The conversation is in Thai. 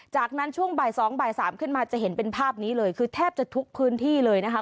จากนั้นช่วงบ่ายสองบ่ายสามขึ้นมาจะเห็นเป็นภาพนี้เลยคือแทบจะทุกพื้นที่เลยนะคะ